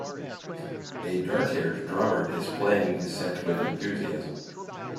A darkhaired drummer is playing his set with enthusiasm.